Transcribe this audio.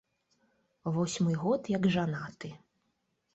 Восьмы год як жанаты.